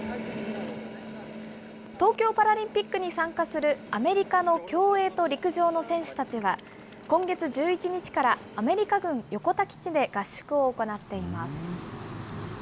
東京パラリンピックに参加するアメリカの競泳と陸上の選手たちは今月１１日からアメリカ軍横田基地で合宿を行っています。